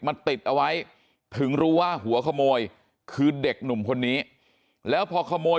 ติดเอาไว้ถึงรู้ว่าหัวขโมยคือเด็กหนุ่มคนนี้แล้วพอขโมย